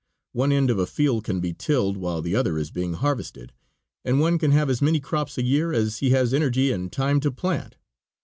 One end of a field can be tilled while the other is being harvested, and one can have as many crops a year as he has energy and time to plant.